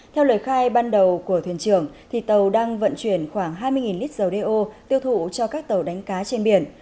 theo lời khai ban đầu của thuyền trưởng tàu đang vận chuyển khoảng hai mươi lít dầu đeo tiêu thụ cho các tàu đánh cá trên biển